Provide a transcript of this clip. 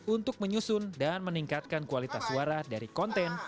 untuk menyusun dan meningkatkan kualitas suara dari konten